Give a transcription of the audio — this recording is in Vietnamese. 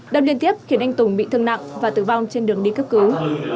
đâm liên tiếp khiến anh tùng bị thương nặng và tử vong trên đường đi cấp cứu